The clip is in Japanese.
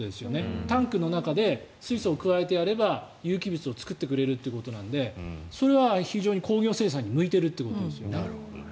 タンクの中で水素を加えてやれば、有機物を作ってくれるということなのでそれは非常に工業生産に向いているということですね。